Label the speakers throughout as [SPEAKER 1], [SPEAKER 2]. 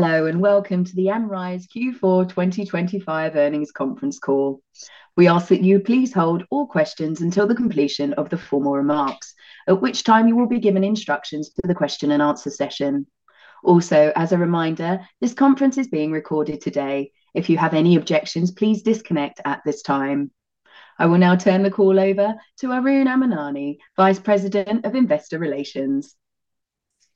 [SPEAKER 1] Hello, and welcome to the Amrize's Q4 2025 Earnings Conference Call. We ask that you please hold all questions until the completion of the formal remarks, at which time you will be given instructions for the question and answer session. Also, as a reminder, this conference is being recorded today. If you have any objections, please disconnect at this time. I will now turn the call over to Aroon Amarnani, Vice President of Investor Relations.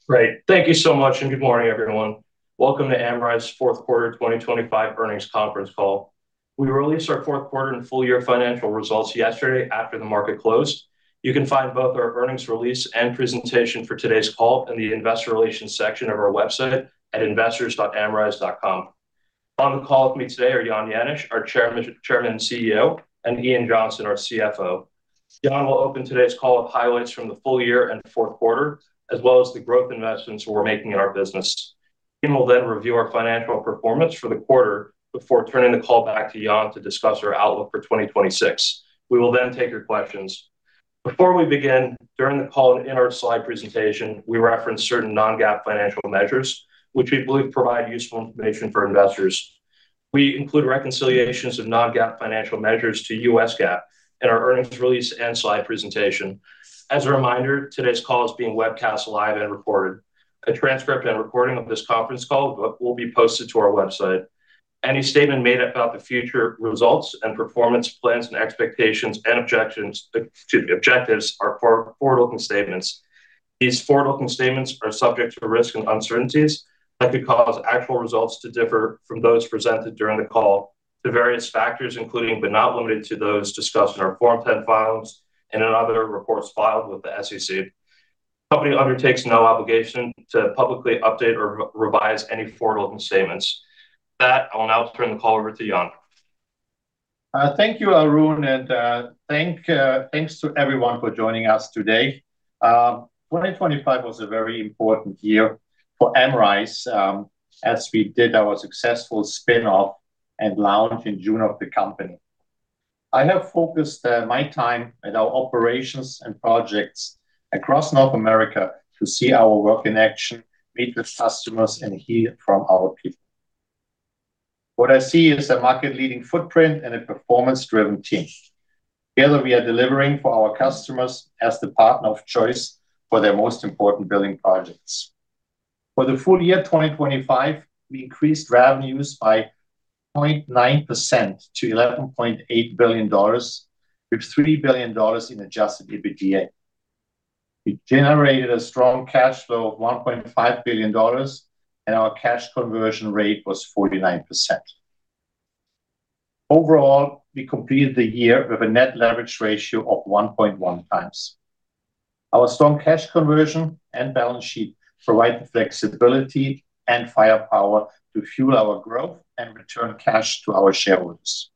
[SPEAKER 2] Great. Thank you so much, and good morning, everyone. Welcome to Amrize's Q4 2025 earnings conference call. We released our Q4 and full year financial results yesterday after the market closed. You can find both our earnings release and presentation for today's call in the investor relations section of our website at investors.amrize.com. On the call with me today are Jan Jenisch, our Chairman and CEO, and Ian Johnson, our CFO. Jan will open today's call with highlights from the full year and Q4, as well as the growth investments we're making in our business. He will then review our financial performance for the quarter before turning the call back to Jan to discuss our outlook for 2026. We will then take your questions. Before we begin, during the call and in our slide presentation, we reference certain non-GAAP financial measures, which we believe provide useful information for investors. We include reconciliations of non-GAAP financial measures to U.S. GAAP in our earnings release and slide presentation. As a reminder, today's call is being webcast live and recorded. A transcript and recording of this conference call will be posted to our website. Any statement made about the future results and performance plans and expectations and objections, excuse me, objectives are forward-looking statements. These forward-looking statements are subject to risks and uncertainties that could cause actual results to differ from those presented during the call to various factors, including, but not limited to, those discussed in our Form 10-K filings and in other reports filed with the SEC. The company undertakes no obligation to publicly update or revise any forward-looking statements. With that, I will now turn the call over to Jan.
[SPEAKER 3] Thank you, Aroon, and thanks to everyone for joining us today. 2025 was a very important year for Amrize, as we did our successful spin-off and launch in June of the company. I have focused my time at our operations and projects across North America to see our work in action, meet with customers, and hear from our people. What I see is a market-leading footprint and a performance-driven team. Together, we are delivering for our customers as the partner of choice for their most important building projects. For the full year 2025, we increased revenues by 0.9% to $11.8 billion, with $3 billion in adjusted EBITDA. We generated a strong cash flow of $1.5 billion, and our cash conversion rate was 49%. Overall, we completed the year with a net leverage ratio of 1.1x. Our strong cash conversion and balance sheet provide the flexibility and firepower to fuel our growth and return cash to our shareholders.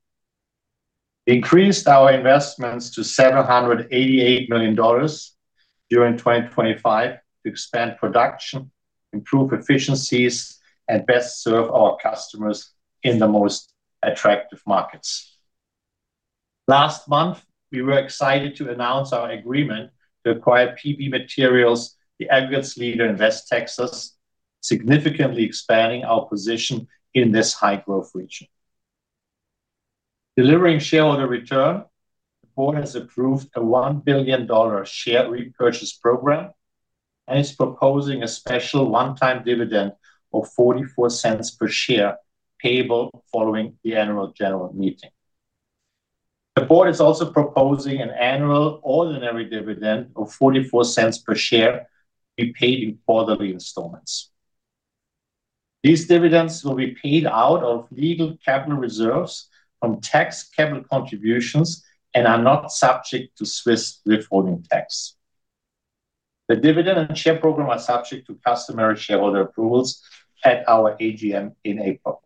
[SPEAKER 3] We increased our investments to $788 million during 2025 to expand production, improve efficiencies, and best serve our customers in the most attractive markets. Last month, we were excited to announce our agreement to acquire PB Materials, the aggregates leader in West Texas, significantly expanding our position in this high-growth region. Delivering shareholder return, the board has approved a $1 billion share repurchase program and is proposing a special one-time dividend of $0.44 per share, payable following the annual general meeting. The board is also proposing an annual ordinary dividend of $0.44 per share, be paid in quarterly installments. These dividends will be paid out of legal capital reserves from tax capital contributions and are not subject to Swiss withholding tax. The dividend and share program are subject to customary shareholder approvals at our AGM in April.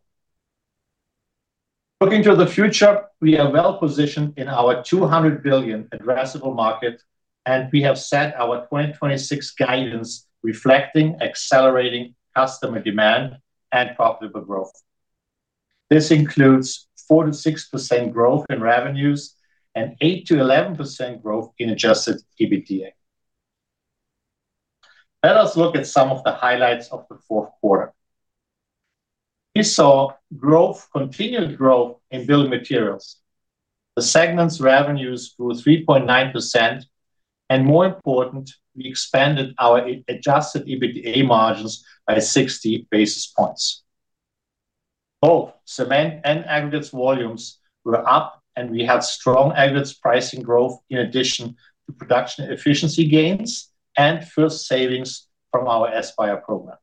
[SPEAKER 3] Looking to the future, we are well-positioned in our $200 billion addressable market, and we have set our 2026 guidance, reflecting accelerating customer demand and profitable growth. This includes 4%-6% growth in revenues and 8%-11% growth in adjusted EBITDA. Let us look at some of the highlights of the Q4. We saw growth, continued growth in building materials. The segment's revenues grew 3.9%, and more important, we expanded our adjusted EBITDA margins by 60 basis points. Both cement and aggregates volumes were up, and we had strong aggregates pricing growth in addition to production efficiency gains and fuel savings from our Aspire program.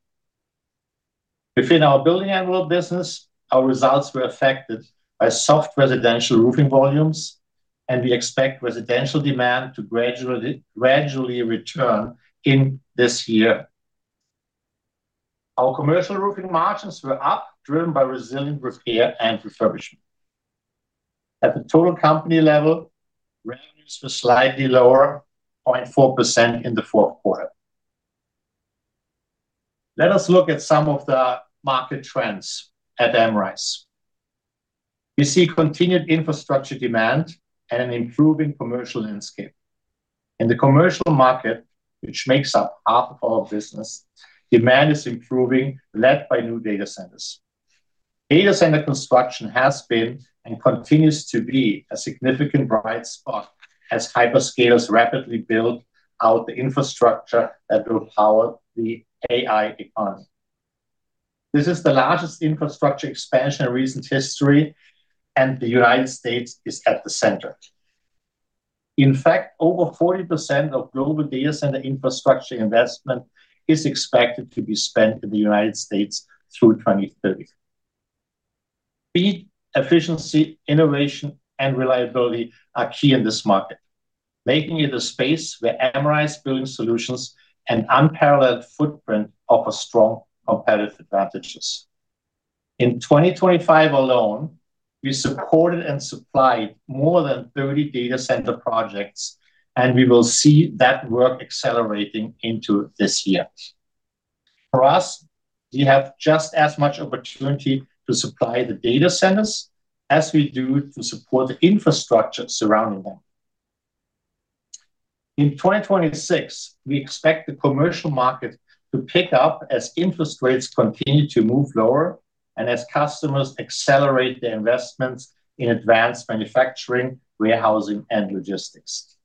[SPEAKER 3] Within our building envelope business, our results were affected by soft residential roofing volumes, and we expect residential demand to gradually return in this year. Our commercial roofing margins were up, driven by resilient repair and refurbishment. At the total company level, revenues were slightly lower, 0.4% in the Q4. Let us look at some of the market trends at Amrize's. We see continued infrastructure demand and an improving commercial landscape. In the commercial market, which makes up half of our business, demand is improving, led by new data centers. Data center construction has been and continues to be a significant bright spot as hyperscalers rapidly build out the infrastructure that will power the AI economy. This is the largest infrastructure expansion in recent history, and the United States is at the center. In fact, over 40% of global data center infrastructure investment is expected to be spent in the United States through 2030. Speed, efficiency, innovation, and reliability are key in this market, making it a space where Amrize's building solutions and unparalleled footprint offer strong competitive advantages. In 2025 alone, we supported and supplied more than 30 data center projects, and we will see that work accelerating into this year. For us, we have just as much opportunity to supply the data centers as we do to support the infrastructure surrounding them. In 2026, we expect the commercial market to pick up as interest rates continue to move lower and as customers accelerate their investments in advanced manufacturing, warehousing, and logistics.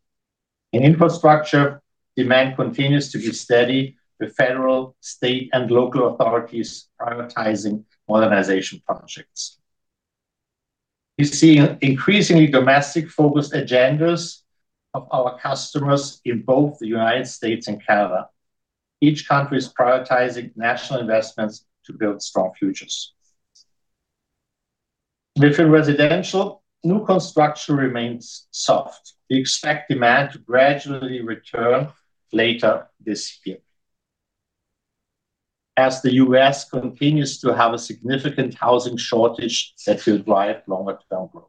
[SPEAKER 3] In infrastructure, demand continues to be steady, with federal, state, and local authorities prioritizing modernization projects. We see increasingly domestic-focused agendas of our customers in both the United States and Canada. Each country is prioritizing national investments to build strong futures. Within residential, new construction remains soft. We expect demand to gradually return later this year. As the U.S. continues to have a significant housing shortage, that will drive longer-term growth.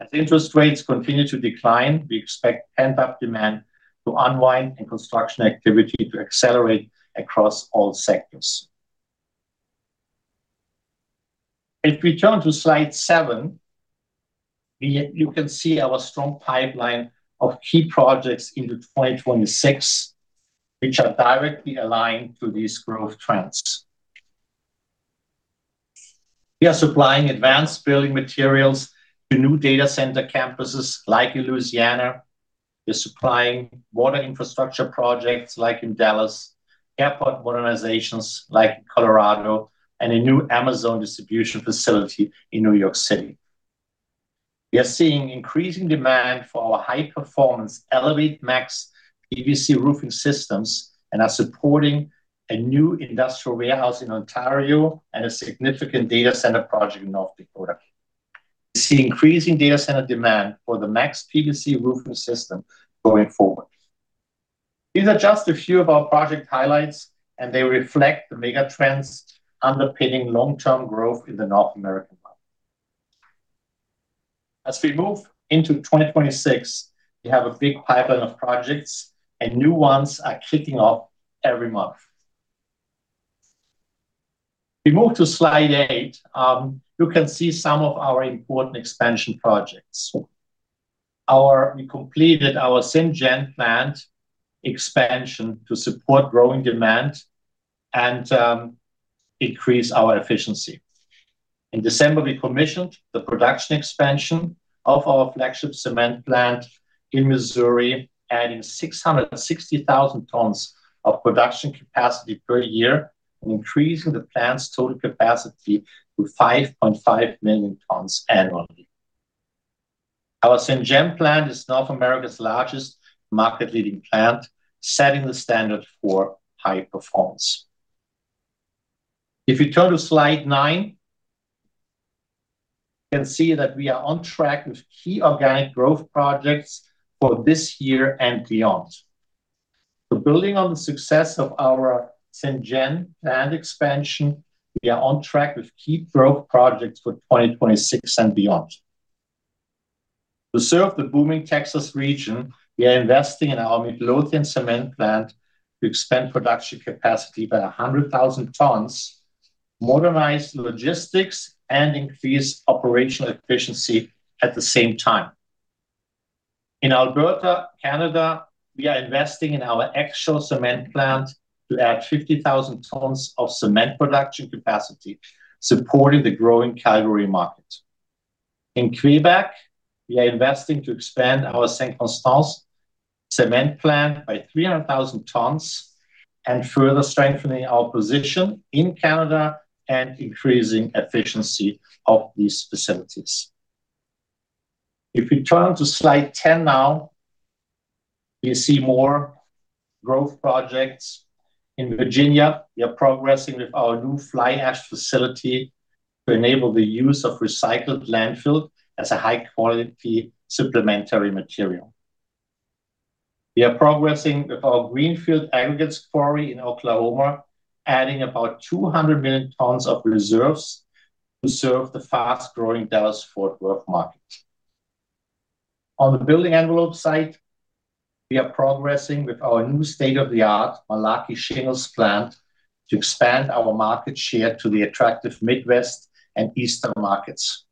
[SPEAKER 3] As interest rates continue to decline, we expect pent-up demand to unwind and construction activity to accelerate across all sectors. If we turn to slide seven, we—you can see our strong pipeline of key projects into 2026, which are directly aligned to these growth trends. We are supplying advanced building materials to new data center campuses like in Louisiana. We're supplying water infrastructure projects like in Dallas, airport modernizations like Colorado, and a new Amazon distribution facility in New York City. We are seeing increasing demand for our high-performance Elevate Max PVC roofing systems, and are supporting a new industrial warehouse in Ontario and a significant data center project in North Dakota. We see increasing data center demand for the Max PVC roofing system going forward. These are just a few of our project highlights, and they reflect the mega trends underpinning long-term growth in the North American market. As we move into 2026, we have a big pipeline of projects, and new ones are kicking off every month. If we move to slide eight, you can see some of our important expansion projects. We completed our Ste. Gen plant expansion to support growing demand and increase our efficiency. In December, we commissioned the production expansion of our flagship cement plant in Missouri, adding 660,000 tons of production capacity per year, and increasing the plant's total capacity to 5.5 million tons annually. Our Ste. Gen plant is North America's largest market-leading plant, setting the standard for high performance. If you turn to slide nine, you can see that we are on track with key organic growth projects for this year and beyond. So building on the success of our Ste. Gen plant expansion, we are on track with key growth projects for 2026 and beyond. To serve the booming Texas region, we are investing in our Midlothian cement plant to expand production capacity by 100,000 tons, modernize logistics, and increase operational efficiency at the same time. In Alberta, Canada, we are investing in our Exshaw cement plant to add 50,000 tons of cement production capacity, supporting the growing Calgary market. In Quebec, we are investing to expand our St. Constant cement plant by 300,000 tons and further strengthening our position in Canada and increasing efficiency of these facilities. If we turn to slide 10 now, you see more growth projects. In Virginia, we are progressing with our new fly ash facility to enable the use of recycled landfill as a high-quality supplementary material. We are progressing with our Greenfield aggregates quarry in Oklahoma, adding about 200 million tons of reserves to serve the fast-growing Dallas-Fort Worth market. On the building envelope site, we are progressing with our new state-of-the-art Malarkey Shingles plant to expand our market share to the attractive Midwest and Eastern markets.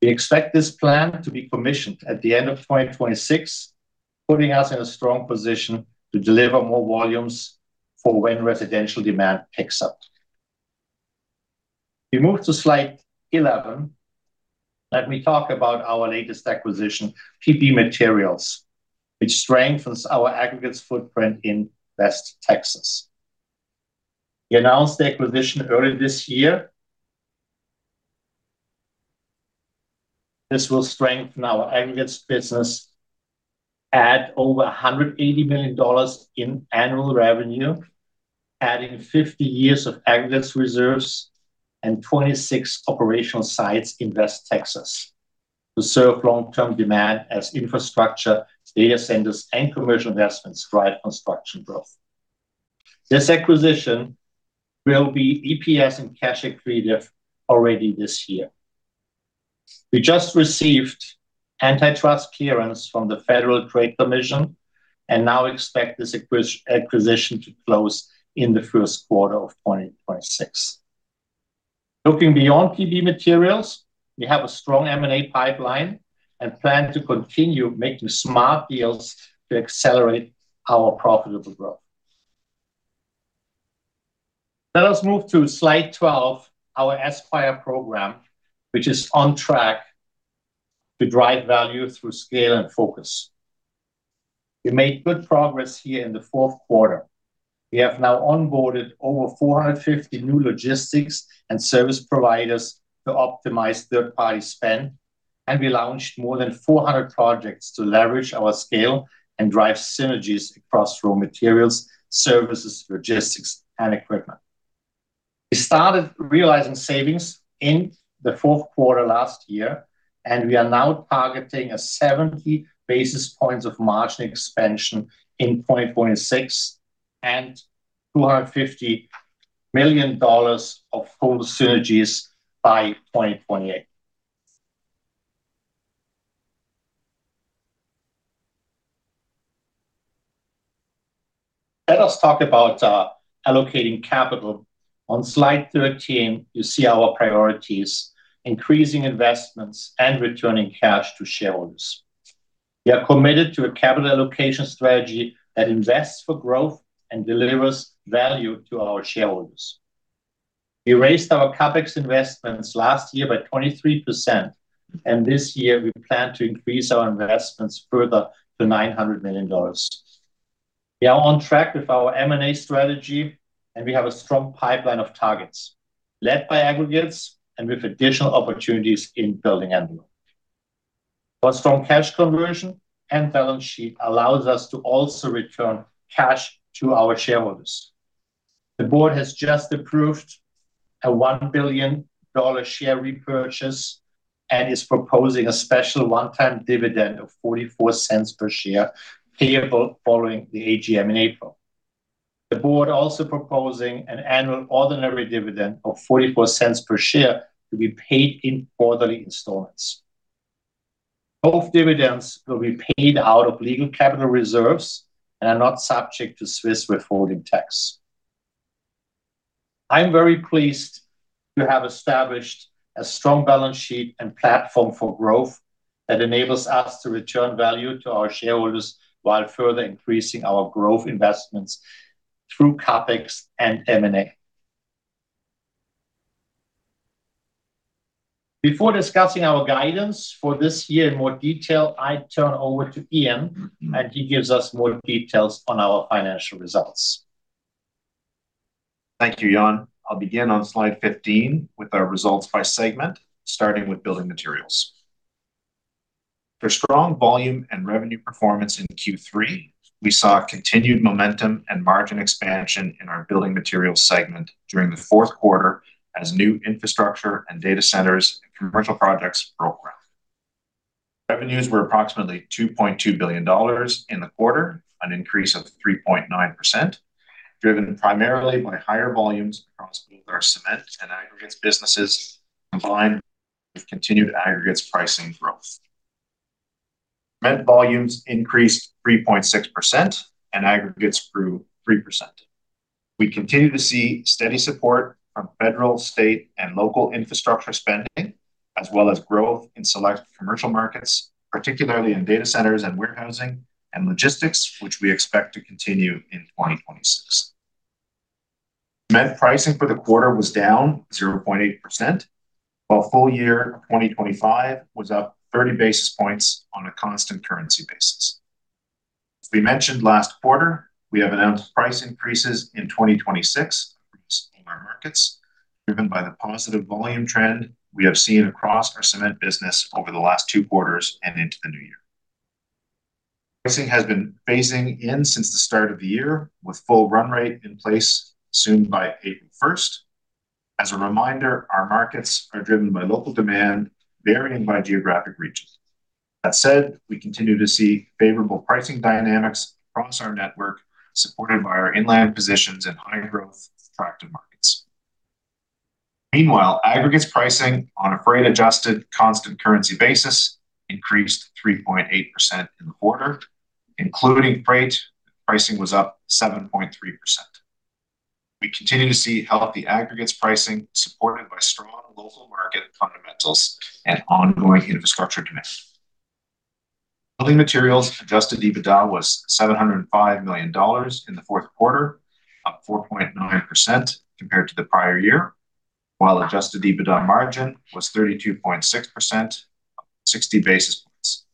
[SPEAKER 3] We expect this plant to be commissioned at the end of 2026, putting us in a strong position to deliver more volumes for when residential demand picks up. We move to slide 11. Let me talk about our latest acquisition, PB Materials, which strengthens our aggregates footprint in West Texas. We announced the acquisition earlier this year. This will strengthen our aggregates business, add over $180 million in annual revenue, adding 50 years of aggregates reserves and 26 operational sites in West Texas to serve long-term demand as infrastructure, data centers, and commercial investments drive construction growth. This acquisition will be EPS and cash accretive already this year. We just received antitrust clearance from the Federal Trade Commission, and now expect this acquisition to close in the first quarter of 2026. Looking beyond PB Materials, we have a strong M&A pipeline and plan to continue making smart deals to accelerate our profitable growth. Let us move to slide 12, our Aspire program, which is on track to drive value through scale and focus. We made good progress here in the Q4. We have now onboarded over 450 new logistics and service providers to optimize third-party spend, and we launched more than 400 projects to leverage our scale and drive synergies across raw materials, services, logistics, and equipment. We started realizing savings in the Q4 last year, and we are now targeting 70 basis points of margin expansion in 2026, and $250 million of full synergies by 2028. Let us talk about allocating capital. On slide 13, you see our priorities: increasing investments and returning cash to shareholders. We are committed to a capital allocation strategy that invests for growth and delivers value to our shareholders. We raised our CapEx investments last year by 23%, and this year we plan to increase our investments further to $900 million. We are on track with our M&A strategy, and we have a strong pipeline of targets, led by aggregates and with additional opportunities in building envelope. Our strong cash conversion and balance sheet allows us to also return cash to our shareholders. The board has just approved a $1 billion share repurchase and is proposing a special one-time dividend of $0.44 per share, payable following the AGM in April. The board also proposing an annual ordinary dividend of $0.44 per share to be paid in quarterly installments. Both dividends will be paid out of legal capital reserves and are not subject to Swiss withholding tax. I'm very pleased to have established a strong balance sheet and platform for growth that enables us to return value to our shareholders while further increasing our growth investments through CapEx and M&A. Before discussing our guidance for this year in more detail, I turn over to Ian, and he gives us more details on our financial results.
[SPEAKER 4] Thank you, Jan. I'll begin on slide 15 with our results by segment, starting with building materials. For strong volume and revenue performance in Q3, we saw continued momentum and margin expansion in our building materials segment during the Q4, as new infrastructure and data centers and commercial projects drove growth. Revenues were approximately $2.2 billion in the quarter, an increase of 3.9%, driven primarily by higher volumes across both our cement and aggregates businesses, combined with continued aggregates pricing growth. Cement volumes increased 3.6%, and aggregates grew 3%. We continue to see steady support from federal, state, and local infrastructure spending, as well as growth in select commercial markets, particularly in data centers and warehousing and logistics, which we expect to continue in 2026. Cement pricing for the quarter was down 0.8%, while full year 2025 was up 30 basis points on a constant currency basis. As we mentioned last quarter, we have announced price increases in 2026 across all our markets, driven by the positive volume trend we have seen across our cement business over the last two quarters and into the new year. Pricing has been phasing in since the start of the year, with full run rate in place assumed by April 1. As a reminder, our markets are driven by local demand, varying by geographic regions. That said, we continue to see favorable pricing dynamics across our network, supported by our inland positions in high-growth attractive markets. Meanwhile, aggregates pricing on a freight-adjusted constant currency basis increased 3.8% in the quarter, including freight, pricing was up 7.3%. We continue to see healthy aggregates pricing, supported by strong local market fundamentals and ongoing infrastructure demand. Building materials adjusted EBITDA was $705 million in the Q4, up 4.9% compared to the prior year, while adjusted EBITDA margin was 32.6%, up 60 basis points.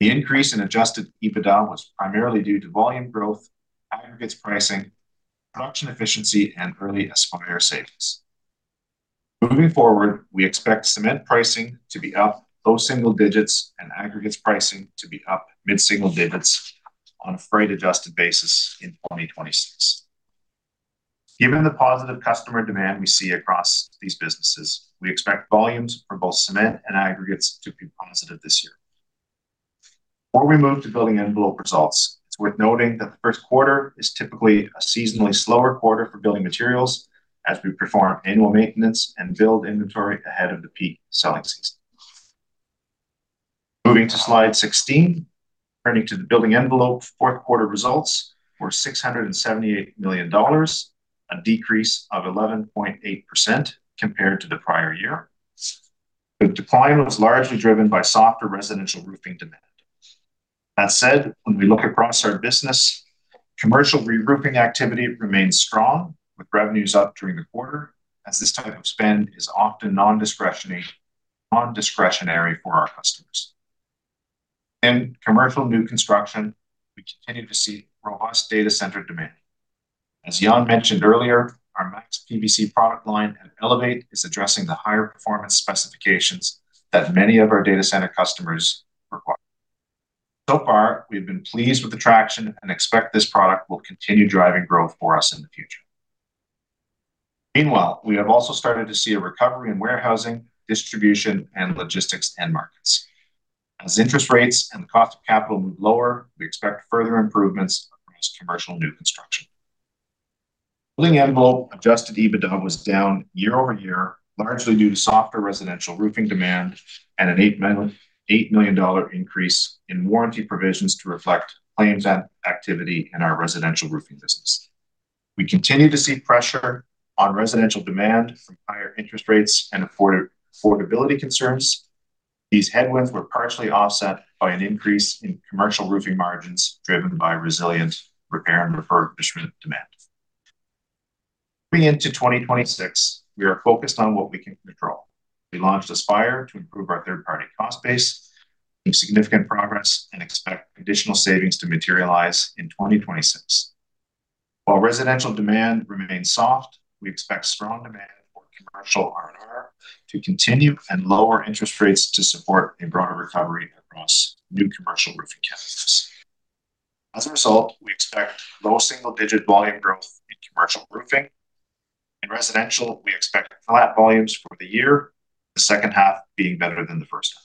[SPEAKER 4] The increase in adjusted EBITDA was primarily due to volume growth, aggregates pricing, production efficiency, and early Aspire savings. Moving forward, we expect cement pricing to be up low single digits and aggregates pricing to be up mid-single digits on a freight-adjusted basis in 2026. Given the positive customer demand we see across these businesses, we expect volumes for both cement and aggregates to be positive this year. Before we move to building envelope results, it's worth noting that the Q1 is typically a seasonally slower quarter for building materials as we perform annual maintenance and build inventory ahead of the peak selling season. Moving to slide 16. Turning to the building envelope, Q4 results were $678 million, a decrease of 11.8% compared to the prior year. The decline was largely driven by softer residential roofing demand. That said, when we look across our business, commercial reroofing activity remains strong, with revenues up during the quarter, as this type of spend is often non-discretionary, non-discretionary for our customers. In commercial new construction, we continue to see robust data center demand. As Jan mentioned earlier, our Max PVC product line at Elevate is addressing the higher performance specifications that many of our data center customers require. We have been pleased with the traction and expect this product will continue driving growth for us in the future. Meanwhile, we have also started to see a recovery in warehousing, distribution, and logistics end markets. As interest rates and the cost of capital move lower, we expect further improvements across commercial new construction. Building Envelope adjusted EBITDA was down year-over-year, largely due to softer residential roofing demand and an $8 million increase in warranty provisions to reflect claims and activity in our residential roofing business. We continue to see pressure on residential demand from higher interest rates and affordability concerns. These headwinds were partially offset by an increase in commercial roofing margins, driven by resilient repair and refurbishment demand. Moving into 2026, we are focused on what we can control. We launched Aspire to improve our third-party cost base, made significant progress, and expect additional savings to materialize in 2026. While residential demand remains soft, we expect strong demand for commercial R&R to continue and lower interest rates to support a broader recovery across new commercial roofing categories. As a result, we expect low single-digit volume growth in commercial roofing. In residential, we expect flat volumes for the year, the second half being better than the first half.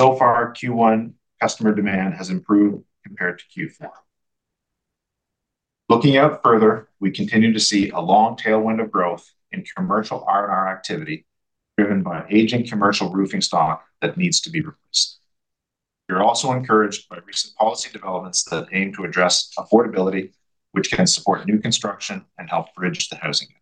[SPEAKER 4] So far, Q1 customer demand has improved compared to Q4. Looking out further, we continue to see a long tailwind of growth in commercial R&R activity, driven by an aging commercial roofing stock that needs to be replaced. We're also encouraged by recent policy developments that aim to address affordability, which can support new construction and help bridge the housing gap.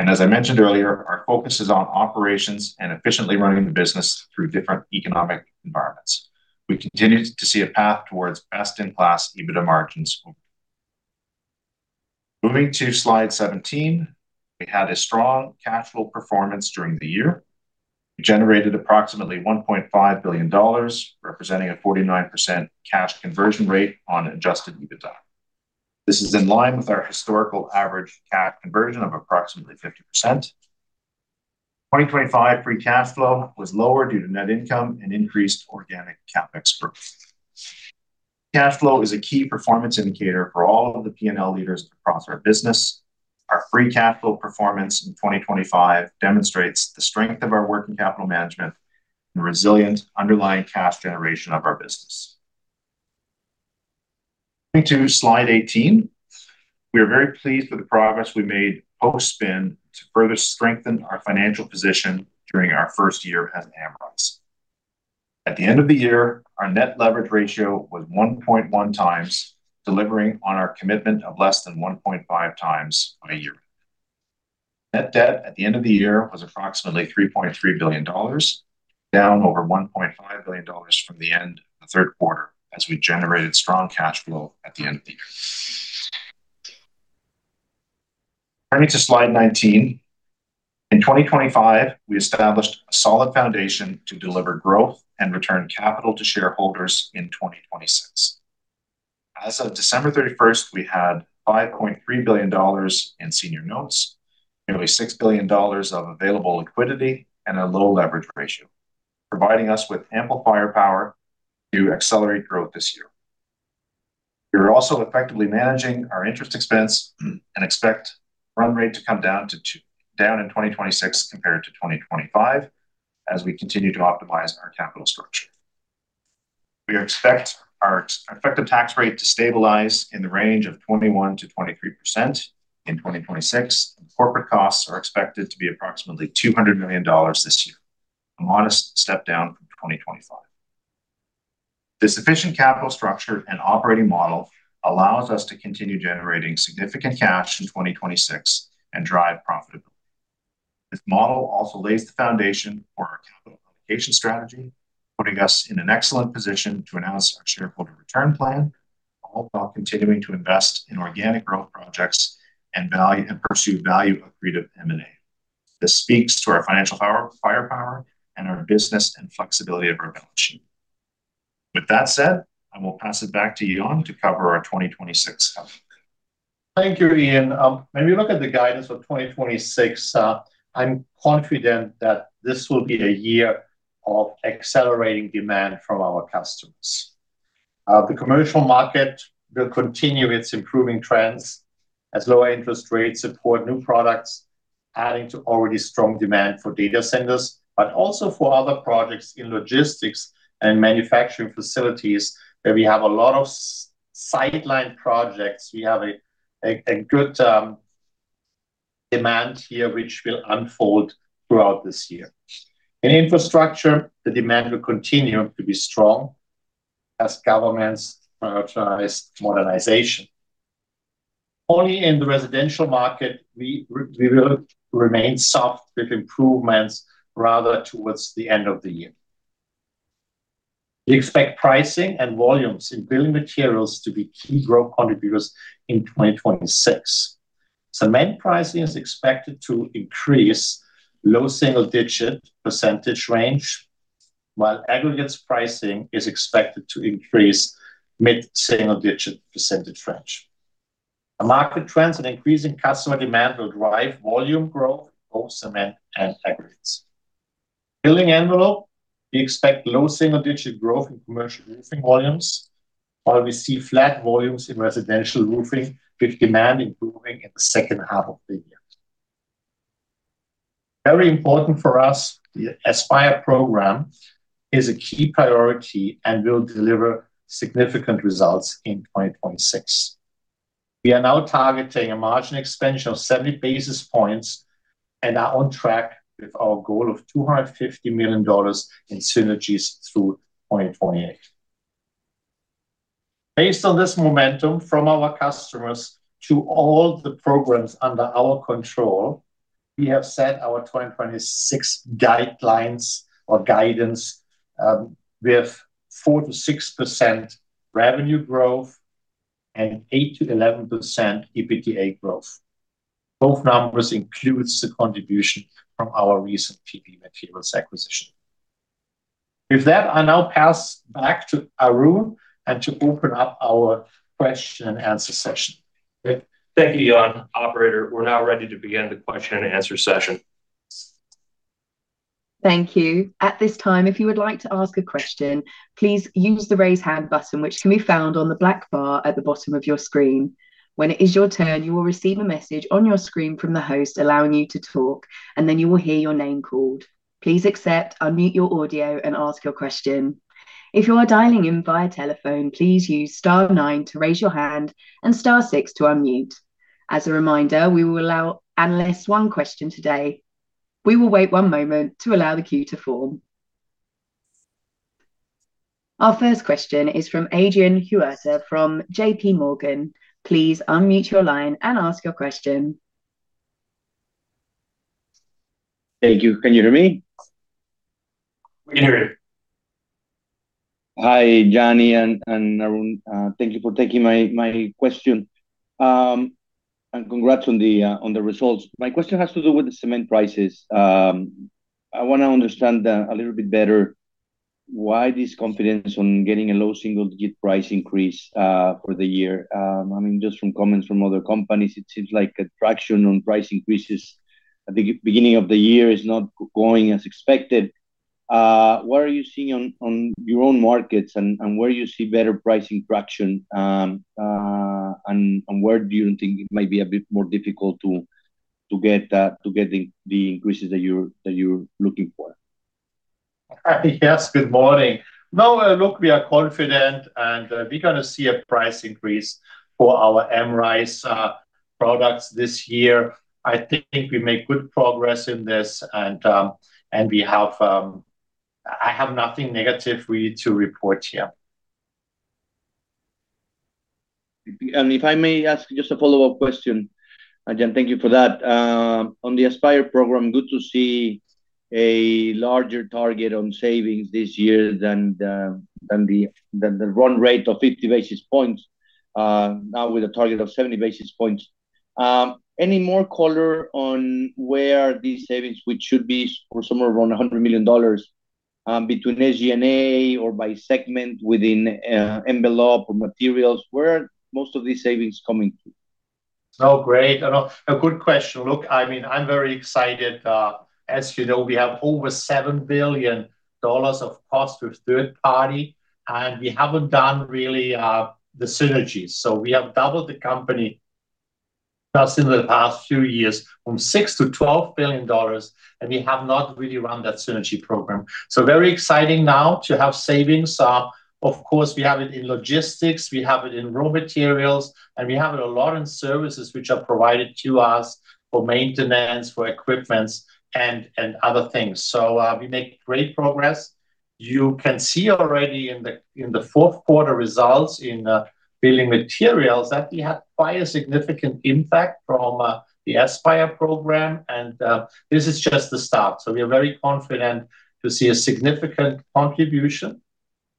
[SPEAKER 4] As I mentioned earlier, our focus is on operations and efficiently running the business through different economic environments. We continue to see a path towards best-in-class EBITDA margins. Moving to slide 17. We had a strong cash flow performance during the year. We generated approximately $1.5 billion, representing a 49% cash conversion rate on adjusted EBITDA. This is in line with our historical average cash conversion of approximately 50%. 2025 free cash flow was lower due to net income and increased organic CapEx growth. Cash flow is a key performance indicator for all of the P&L leaders across our business. Our free cash flow performance in 2025 demonstrates the strength of our working capital management and resilient underlying cash generation of our business. Moving to slide 18. We are very pleased with the progress we made post-spin to further strengthen our financial position during our first year as an Amrize. At the end of the year, our net leverage ratio was 1.1x, delivering on our commitment of less than 1.5x on a year. Net debt at the end of the year was approximately $3.3 billion, down over $1.5 billion from the end of the Q3, as we generated strong cash flow at the end of the year. Turning to slide 19. In 2025, we established a solid foundation to deliver growth and return capital to shareholders in 2026. As of December 31st, we had $5.3 billion in senior notes, nearly $6 billion of available liquidity, and a low leverage ratio, providing us with ample firepower to accelerate growth this year. We are also effectively managing our interest expense, and expect run rate to come down in 2026 compared to 2025, as we continue to optimize our capital structure. We expect our effective tax rate to stabilize in the range of 21%-23% in 2026, and corporate costs are expected to be approximately $200 million this year, a modest step down from 2025. This efficient capital structure and operating model allows us to continue generating significant cash in 2026 and drive profitability. This model also lays the foundation for our capital allocation strategy, putting us in an excellent position to announce our shareholder return plan, all while continuing to invest in organic growth projects and value, and pursue value-accretive M&A. This speaks to our financial power, firepower, and our business and flexibility of our balance sheet. With that said, I will pass it back to Jan to cover our 2026 outlook.
[SPEAKER 3] Thank you, Ian. When we look at the guidance for 2026, I'm confident that this will be the year of accelerating demand from our customers. The commercial market will continue its improving trends as lower interest rates support new products, adding to already strong demand for data centers, but also for other projects in logistics and manufacturing facilities, where we have a lot of sidelined projects. We have a good demand here, which will unfold throughout this year. In infrastructure, the demand will continue to be strong as governments prioritize modernization. Only in the residential market we will remain soft, with improvements rather towards the end of the year. We expect pricing and volumes in building materials to be key growth contributors in 2026. Cement pricing is expected to increase low single-digit % range, while aggregates pricing is expected to increase mid-single-digit percentage range. The market trends and increasing customer demand will drive volume growth in both cement and aggregates. Building Envelope, we expect low single-digit growth in commercial roofing volumes, while we see flat volumes in residential roofing, with demand improving in the second half of the year. Very important for us, the Aspire program is a key priority and will deliver significant results in 2026. We are now targeting a margin expansion of 70 basis points and are on track with our goal of $250 million in synergies through 2028. Based on this momentum from our customers to all the programs under our control, we have set our 2026 guidelines or guidance, with 4%-6% revenue growth and 8%-11% EBITDA growth. Both numbers includes the contribution from our recent PB Materials acquisition. With that, I now pass back to Aroon and to open up our question and answer session.
[SPEAKER 2] Thank you, Jan. Operator, we're now ready to begin the question and answer session.
[SPEAKER 1] Thank you. At this time, if you would like to ask a question, please use the Raise Hand button, which can be found on the black bar at the bottom of your screen. When it is your turn, you will receive a message on your screen from the host allowing you to talk, and then you will hear your name called. Please accept, unmute your audio, and ask your question. If you are dialing in via telephone, please use star nine to raise your hand and star six to unmute. As a reminder, we will allow analysts one question today. We will wait one moment to allow the queue to form. Our first question is from Adrian Huerta from JP Morgan. Please unmute your line and ask your question.
[SPEAKER 5] Thank you. Can you hear me?
[SPEAKER 4] We can hear you.
[SPEAKER 5] Hi, Jan, Ian, and Aroon. Thank you for taking my question. And congrats on the results. My question has to do with the cement prices. I want to understand a little bit better why this confidence on getting a low single-digit price increase for the year. I mean, just from comments from other companies, it seems like a traction on price increases at the beginning of the year is not going as expected. What are you seeing on your own markets, and where do you see better pricing traction, and where do you think it might be a bit more difficult to get the increases that you're looking for?
[SPEAKER 3] Yes, good morning. No, look, we are confident, and we're going to see a price increase for our Amrize products this year. I think we make good progress in this, and, and we have... I have nothing negative for you to report here.
[SPEAKER 5] If I may ask just a follow-up question, and Jan, thank you for that. On the Aspire program, good to see a larger target on savings this year than the run rate of 50 basis points, now with a target of 70 basis points. Any more color on where these savings, which should be somewhere around $100 million, between SG&A or by segment within envelope or materials, where are most of these savings coming from?
[SPEAKER 3] Oh, great. A good question. Look, I mean, I'm very excited. As you know, we have over $7 billion of cost with third party, and we haven't done really the synergies. We have doubled the company, now seen in the past few years from $6 billion to $12 billion, and we have not really run that synergy program. Very exciting now to have savings. Of course, we have it in logistics, we have it in raw materials, and we have it a lot in services which are provided to us for maintenance, for equipment, and other things. We make great progress. You can see already in the Q4 results in building materials, that we had quite a significant impact from the Aspire program, and this is just the start. So we are very confident to see a significant contribution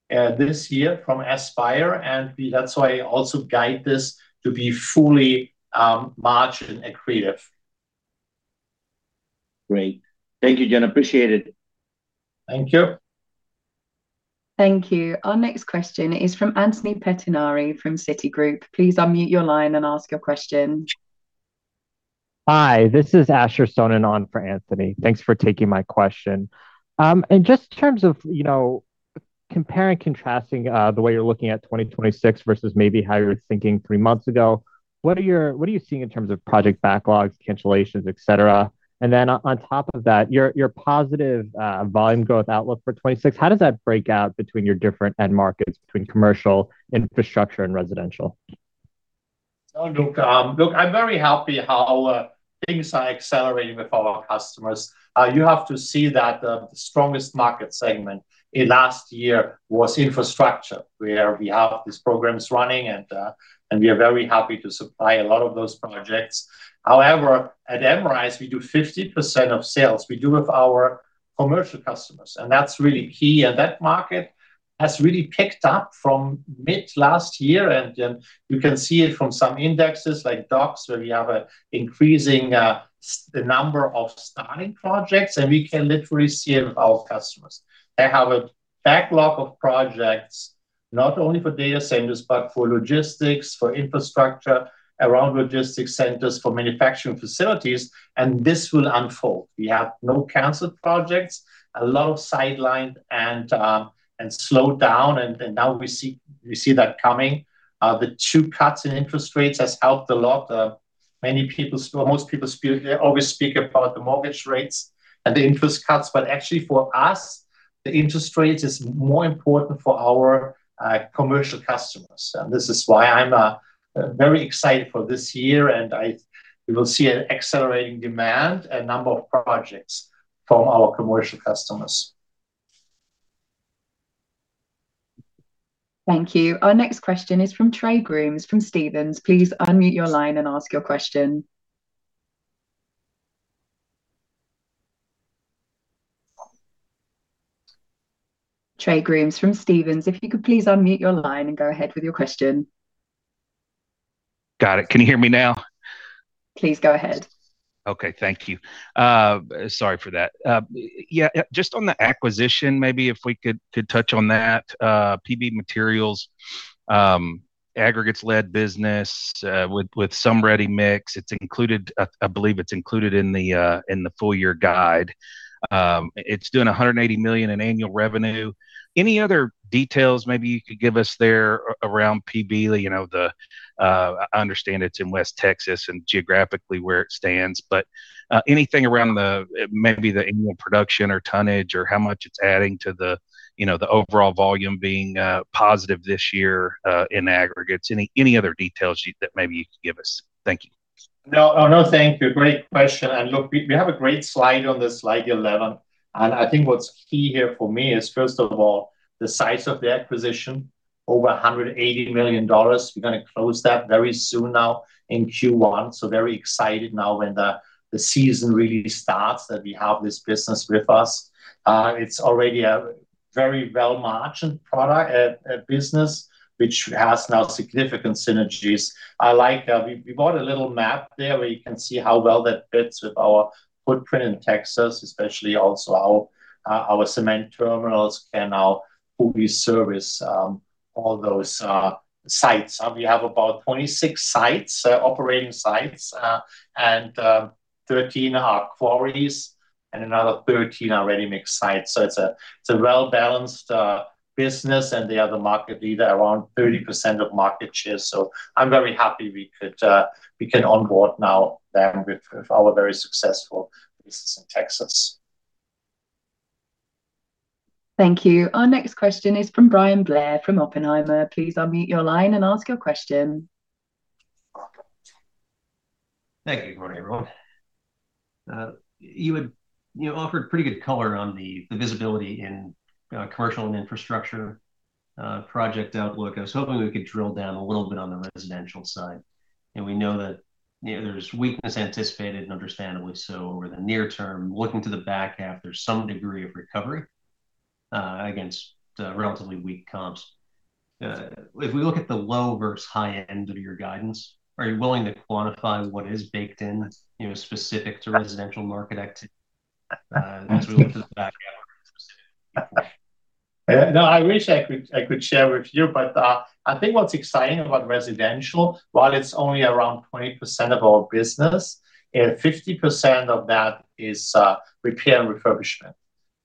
[SPEAKER 3] this year from Aspire, and we, that's why I also guide this to be fully margin accretive.
[SPEAKER 5] Great. Thank you, Jan. Appreciate it.
[SPEAKER 3] Thank you.
[SPEAKER 1] Thank you. Our next question is from Anthony Pettinari from Citigroup. Please unmute your line and ask your question.
[SPEAKER 6] Hi, this is Asher Sohnen, and on for Anthony. Thanks for taking my question. Just in terms of, you know, comparing and contrasting, the way you're looking at 2026 versus maybe how you were thinking three months ago, what are you seeing in terms of project backlogs, cancellations, et cetera? And then on top of that, your positive volume growth outlook for 2026, how does that break out between your different end markets, between commercial, infrastructure, and residential?
[SPEAKER 3] Oh, look, look, I'm very happy how things are accelerating with our customers. You have to see that the strongest market segment in last year was infrastructure, where we have these programs running and we are very happy to supply a lot of those projects. However, at Amrize, we do 50% of sales we do with our commercial customers, and that's really key. And that market has really picked up from mid last year, and then you can see it from some indexes, like Dodge, where we have an increasing the number of starting projects, and we can literally see it with our customers. They have a backlog of projects, not only for data centers, but for logistics, for infrastructure, around logistics centers, for manufacturing facilities, and this will unfold. We have no canceled projects, a lot of sidelined and slowed down, and now we see that coming. The two cuts in interest rates has helped a lot. Many people, most people always speak about the mortgage rates and the interest cuts, but actually, for us, the interest rates is more important for our commercial customers. And this is why I'm very excited for this year, and we will see an accelerating demand, a number of projects from our commercial customers.
[SPEAKER 1] Thank you. Our next question is from Trey Grooms, from Stephens. Please unmute your line and ask your question. Trey Grooms from Stephens, if you could please unmute your line and go ahead with your question.
[SPEAKER 7] Got it. Can you hear me now?
[SPEAKER 1] Please go ahead.
[SPEAKER 7] Okay. Thank you. Sorry for that. Yeah, just on the acquisition, maybe if we could, could touch on that, PB Materials, aggregates-led business, with some ready mix. It's included, I believe it's included in the full year guide. It's doing $180 million in annual revenue. Any other details maybe you could give us there around PB, you know, I understand it's in West Texas and geographically where it stands, but, anything around the, maybe the annual production or tonnage, or how much it's adding to the, you know, the overall volume being, positive this year, in aggregates? Any, any other details you, that maybe you could give us? Thank you.
[SPEAKER 3] No. Oh, no, thank you. Great question, and look, we have a great slide on this, slide 11, and I think what's key here for me is, first of all, the size of the acquisition, over $180 million. We're gonna close that very soon now in Q1, so very excited now when the season really starts, that we have this business with us. It's already a very well-margined product business, which has now significant synergies. I like, we bought a little map there where you can see how well that fits with our footprint in Texas, especially also our cement terminals can now fully service all those sites. And we have about 26 sites, operating sites, and 13 are quarries and another 13 are ready-mix sites. So it's a well-balanced business, and they are the market leader, around 30% of market share. So I'm very happy we could we can onboard now them with our very successful business in Texas.
[SPEAKER 1] Thank you. Our next question is from Bryan Blair, from Oppenheimer. Please unmute your line and ask your question.
[SPEAKER 8] Thank you. Good morning, everyone. You offered pretty good color on the visibility in commercial and infrastructure project outlook. I was hoping we could drill down a little bit on the residential side. We know that, you know, there's weakness anticipated, and understandably so, over the near term. Looking to the back half, there's some degree of recovery against relatively weak comps. If we look at the low versus high end of your guidance, are you willing to quantify what is baked in, you know, specific to residential market activity, as we look to the back half?
[SPEAKER 3] No, I wish I could share with you, but I think what's exciting about residential, while it's only around 20% of our business, and 50% of that is repair and refurbishment.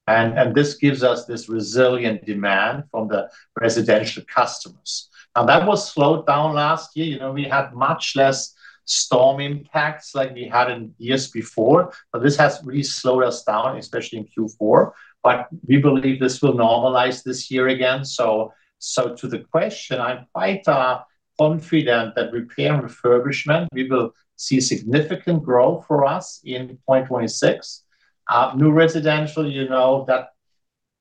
[SPEAKER 3] And this gives us this resilient demand from the residential customers. Now, that was slowed down last year. You know, we had much less storm impacts like we had in years before, but this has really slowed us down, especially in Q4. But we believe this will normalize this year again. So to the question, I'm quite confident that repair and refurbishment, we will see significant growth for us in 2026. New residential, you know, that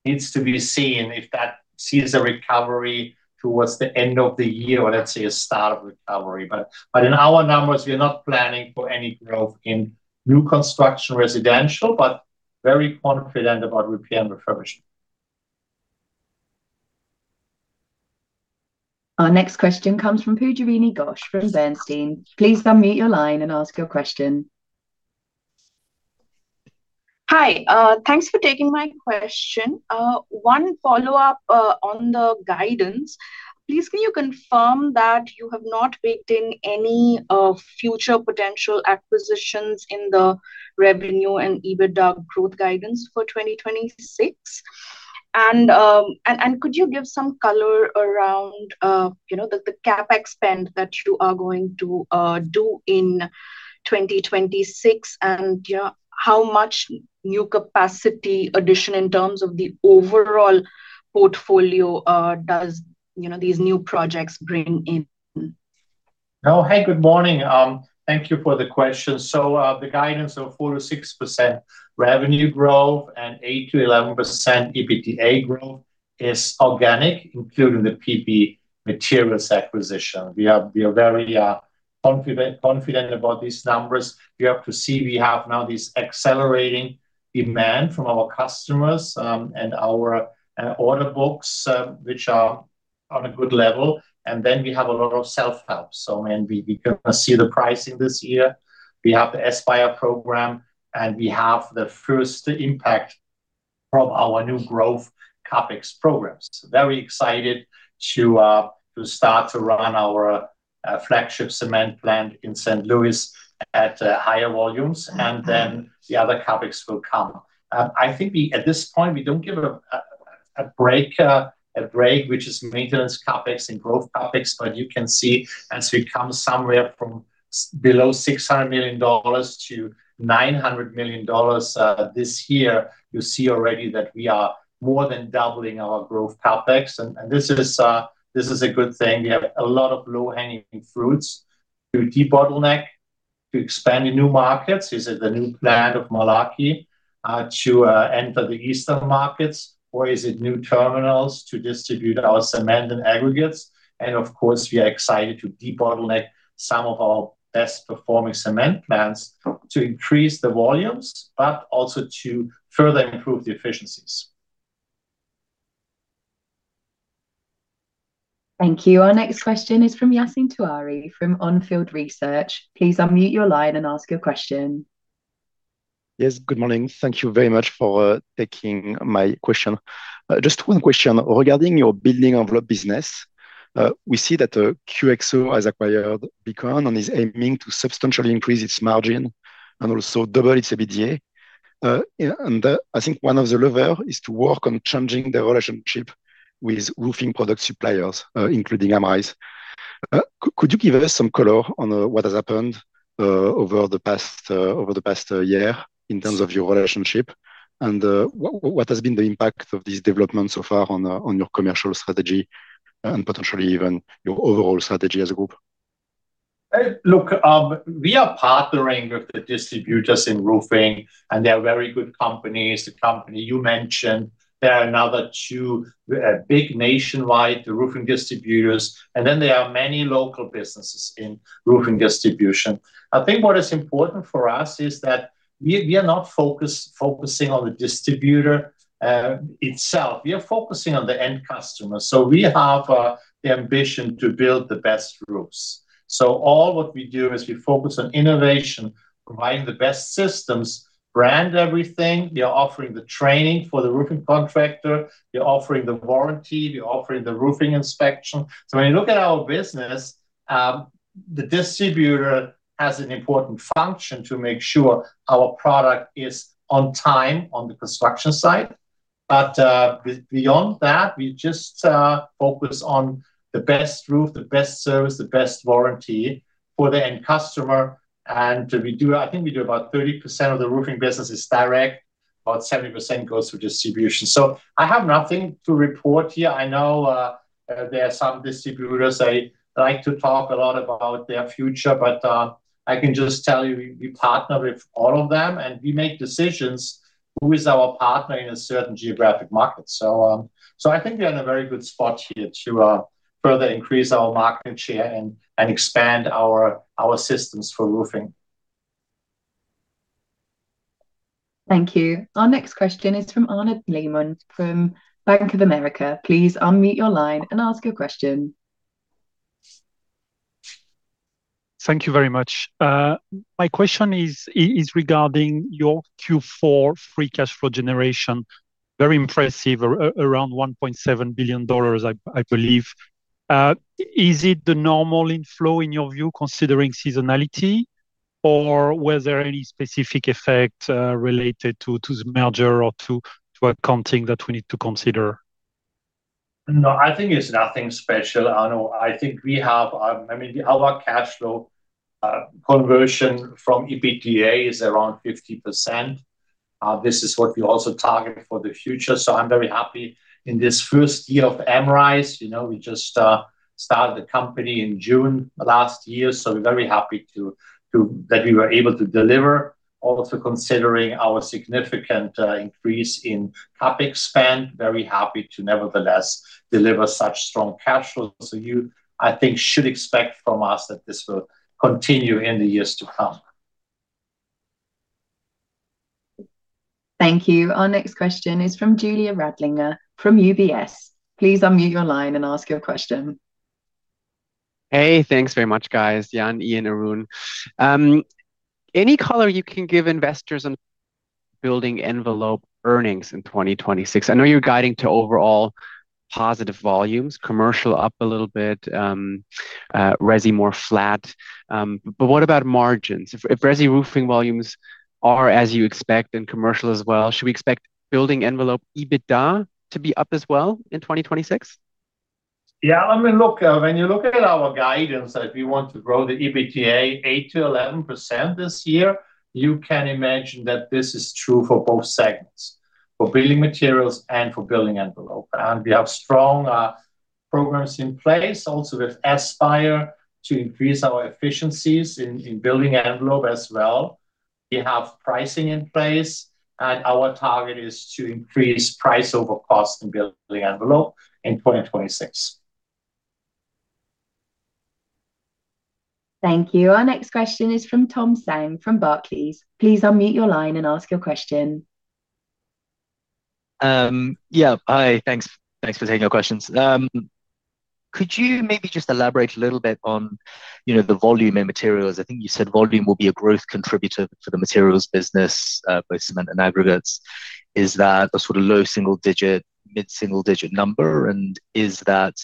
[SPEAKER 3] needs to be seen if that sees a recovery towards the end of the year, or let's say, a start of recovery. But in our numbers, we are not planning for any growth in new construction residential, but very confident about repair and refurbishment.
[SPEAKER 1] Our next question comes from Pujarini Ghosh from Bernstein. Please unmute your line and ask your question.
[SPEAKER 9] Hi, thanks for taking my question. One follow-up on the guidance. Please, can you confirm that you have not baked in any future potential acquisitions in the revenue and EBITDA growth guidance for 2026? And could you give some color around, you know, the CapEx spend that you are going to do in 2026, and yeah, how much new capacity addition in terms of the overall portfolio does you know these new projects bring in?
[SPEAKER 3] Oh, hey, good morning. Thank you for the question. So, the guidance of 4%-6% revenue growth and 8%-11% EBITDA growth is organic, including the PB Materials acquisition. We are very confident about these numbers. You have to see, we have now this accelerating demand from our customers, and our order books, which are on a good level, and then we have a lot of self-help. So when we can see the pricing this year, we have the Aspire program, and we have the first impact from our new growth CapEx programs. Very excited to start to run our flagship cement plant in St. Louis at higher volumes, and then the other CapEx will come. I think we, at this point, we don't give a break, a break, which is maintenance CapEx and growth CapEx, but you can see as we come somewhere from below $600 million to $900 million this year, you see already that we are more than doubling our growth CapEx. This is a good thing. We have a lot of low-hanging fruits to debottleneck, to expand in new markets. Is it the new plant of Malarkey to enter the eastern markets, or is it new terminals to distribute our cement and aggregates? Of course, we are excited to debottleneck some of our best-performing cement plants to increase the volumes, but also to further improve the efficiencies.
[SPEAKER 1] Thank you. Our next question is from Yassine Touahri, from Onfield Research. Please unmute your line and ask your question.
[SPEAKER 10] Yes, good morning. Thank you very much for taking my question. Just one question regarding your building envelope business. We see that QXO has acquired Beacon and is aiming to substantially increase its margin and also double its EBITDA. And I think one of the lever is to work on changing the relationship with roofing product suppliers, including Amrize. Could you give us some color on what has happened over the past year in terms of your relationship? And what has been the impact of these developments so far on your commercial strategy and potentially even your overall strategy as a group?
[SPEAKER 3] Look, we are partnering with the distributors in roofing, and they are very good companies. The company you mentioned, there are another two big nationwide, the roofing distributors, and then there are many local businesses in roofing distribution. I think what is important for us is that we are not focusing on the distributor itself. We are focusing on the end customer. So we have the ambition to build the best roofs. So all what we do is we focus on innovation, providing the best systems, brand everything. We are offering the training for the roofing contractor. We are offering the warranty. We are offering the roofing inspection. So when you look at our business, the distributor has an important function to make sure our product is on time on the construction site. But beyond that, we just focus on the best roof, the best service, the best warranty for the end customer. And we do. I think we do about 30% of the roofing business is direct, about 70% goes through distribution. So I have nothing to report here. I know there are some distributors, they like to talk a lot about their future, but I can just tell you, we partner with all of them, and we make decisions who is our partner in a certain geographic market. So I think we are in a very good spot here to further increase our market share and expand our systems for roofing.
[SPEAKER 1] Thank you. Our next question is from Arnaud Lehmann from Bank of America. Please unmute your line and ask your question.
[SPEAKER 11] Thank you very much. My question is regarding your Q4 free cash flow generation. Very impressive, around $1.7 billion, I believe. Is it the normal inflow in your view, considering seasonality? or was there any specific effect, related to the merger or to accounting that we need to consider?
[SPEAKER 3] No, I think it's nothing special, Arno. I think we have, I mean, our cash flow conversion from EBITDA is around 50%. This is what we also target for the future, so I'm very happy. In this first year of Amrize, you know, we just started the company in June of last year, so we're very happy to that we were able to deliver. Also, considering our significant increase in CapEx spend, very happy to nevertheless deliver such strong cash flows. So you, I think, should expect from us that this will continue in the years to come.
[SPEAKER 1] Thank you. Our next question is from Julia Radlinger from UBS. Please unmute your line and ask your question.
[SPEAKER 12] Hey, thanks very much, guys, Jan, Ian, Aroon. Any color you can give investors on building envelope earnings in 2026? I know you're guiding to overall positive volumes, commercial up a little bit, resi more flat. What about margins? If resi roofing volumes are as you expect and commercial as well, should we expect building envelope EBITDA to be up as well in 2026?
[SPEAKER 3] Yeah, I mean, look, when you look at our guidance that we want to grow the EBITDA 8%-11% this year, you can imagine that this is true for both segments, for building materials and for building envelope. And we have strong programs in place also with Aspire to increase our efficiencies in building envelope as well. We have pricing in place, and our target is to increase price over cost in building envelope in 2026.
[SPEAKER 1] Thank you. Our next question is from Tom Zhang from Barclays. Please unmute your line and ask your question.
[SPEAKER 13] Yeah. Hi, thanks, thanks for taking our questions. Could you maybe just elaborate a little bit on, you know, the volume and materials? I think you said volume will be a growth contributor to the materials business, both cement and aggregates. Is that a sort of low single digit, mid-single digit number? And is that,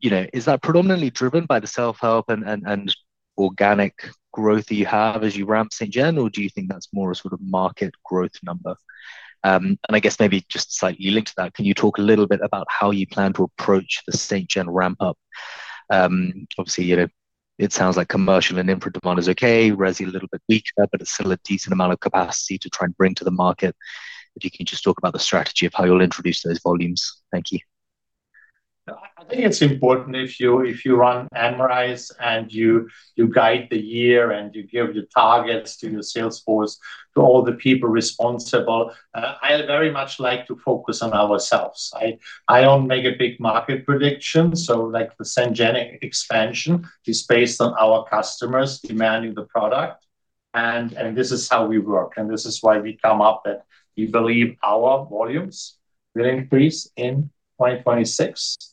[SPEAKER 13] you know, is that predominantly driven by the self-help and organic growth that you have as you ramp Ste. Gen, or do you think that's more a sort of market growth number? And I guess maybe just slightly linked to that, can you talk a little bit about how you plan to approach the Ste. Gen ramp-up? Obviously, you know, it sounds like commercial and infra demand is okay, resi a little bit weaker, but it's still a decent amount of capacity to try and bring to the market. If you can just talk about the strategy of how you'll introduce those volumes? Thank you.
[SPEAKER 3] I think it's important if you run Amrize and you guide the year, and you give your targets to your sales force, to all the people responsible. I very much like to focus on ourselves. I don't make a big market prediction, so like the Ste. Gen expansion is based on our customers demanding the product, and this is how we work, and this is why we come up that we believe our volumes will increase in 2026.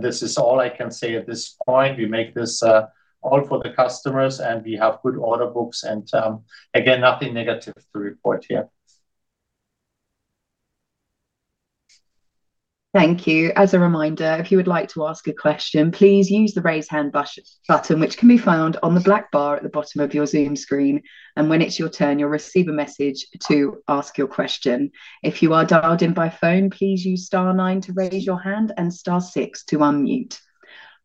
[SPEAKER 3] This is all I can say at this point. We make this all for the customers, and we have good order books and, again, nothing negative to report here.
[SPEAKER 1] Thank you. As a reminder, if you would like to ask a question, please use the Raise Hand button, which can be found on the black bar at the bottom of your zoom screen, and when it's your turn, you'll receive a message to ask your question. If you are dialed in by phone, please use star nine to raise your hand and star six to unmute.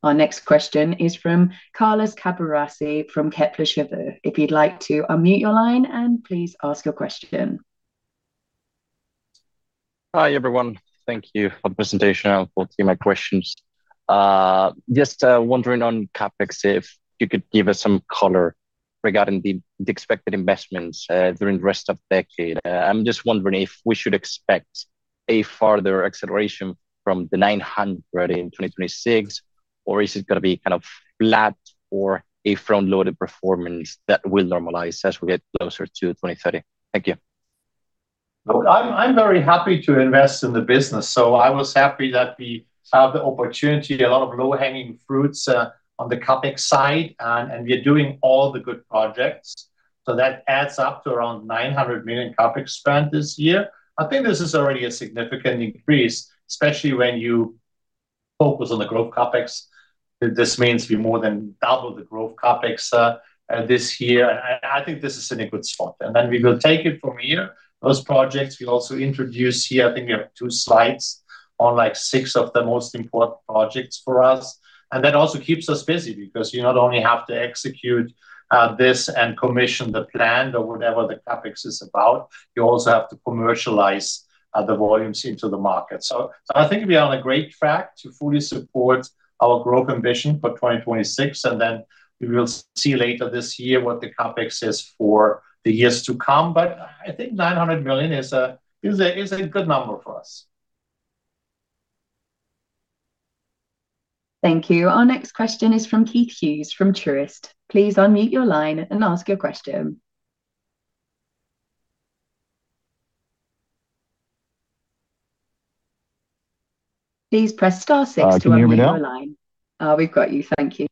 [SPEAKER 1] Our next question is from Carlos Caburrasi from Kepler Cheuvreux. If you'd like to unmute your line, and please ask your question.
[SPEAKER 14] Hi, everyone. Thank you for the presentation. I look forward to my questions. Just, wondering on CapEx if you could give us some color regarding the expected investments during the rest of the decade. I'm just wondering if we should expect a further acceleration from the $900 in 2026, or is it gonna be kind of flat or a front-loaded performance that will normalize as we get closer to 2030? Thank you.
[SPEAKER 3] Look, I'm very happy to invest in the business, so I was happy that we have the opportunity, a lot of low-hanging fruits, on the CapEx side, and we are doing all the good projects. So that adds up to around $900 million CapEx spend this year. I think this is already a significant increase, especially when you focus on the growth CapEx. This means we more than double the growth CapEx this year. And I think this is in a good spot. And then we will take it from here. Those projects, we also introduce here, I think we have two slides on, like, six of the most important projects for us. That also keeps us busy because you not only have to execute this and commission the plant or whatever the CapEx is about, you also have to commercialize the volumes into the market. So, so I think we are on a great track to fully support our growth ambition for 2026, and then we will see later this year what the CapEx is for the years to come. But I think $900 million is a good number for us.
[SPEAKER 1] Thank you. Our next question is from Keith Hughes from Truist. Please unmute your line and ask your question. Please press star six to unmute your line.
[SPEAKER 15] Can you hear me now?
[SPEAKER 1] We've got you. Thank you.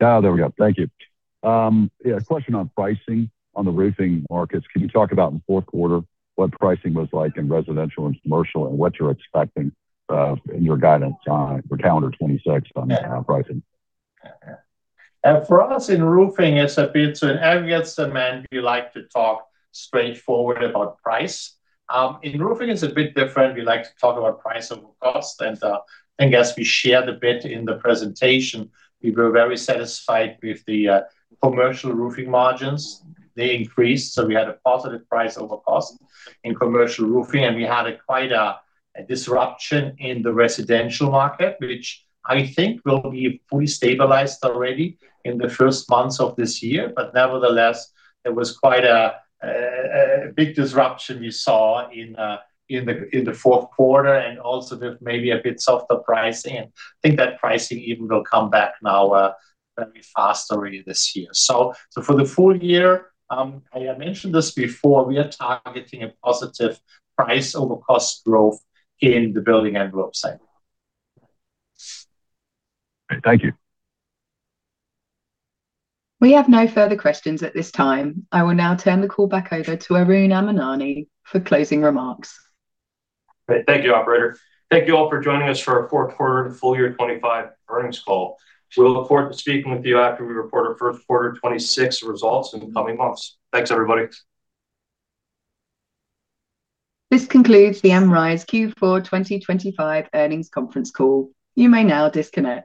[SPEAKER 15] Ah, there we go. Thank you. Yeah, a question on pricing on the roofing markets. Can you talk about in the Q4, what pricing was like in residential and commercial, and what you're expecting in your guidance on for calendar 2026 on pricing?
[SPEAKER 3] Yeah. For us in roofing, it's a bit... So in aggregate cement, we like to talk straightforward about price. In roofing it's a bit different. We like to talk about price over cost, and I guess we shared a bit in the presentation, we were very satisfied with the commercial roofing margins. They increased, so we had a positive price over cost in commercial roofing, and we had quite a big disruption you saw in the Q4, and also with maybe a bit softer pricing. And I think that pricing even will come back now, maybe faster really this year. So for the full year, I mentioned this before, we are targeting a positive price over cost growth in the Building Envelope segment.
[SPEAKER 15] Thank you.
[SPEAKER 1] We have no further questions at this time. I will now turn the call back over to Aroon Amarnani for closing remarks.
[SPEAKER 2] Great. Thank you, operator. Thank you all for joining us for our Q4 and full year 2025 earnings call. We look forward to speaking with you after we report our Q1 2026 results in the coming months. Thanks, everybody.
[SPEAKER 1] This concludes the Amrize Q4 2025 Earnings Conference Call. You may now disconnect.